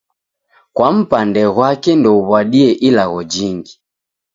Kwa mpande ghwa ndouw'adie ilagho jingi.